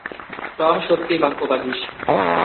Tom সত্যি বাক্যবাগীশ।